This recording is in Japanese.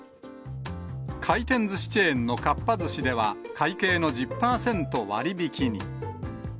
回転ずしチェーンのかっぱ寿司では、会計の１０％割引に。